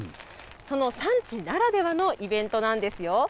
その産地ならではのイベントなんですよ。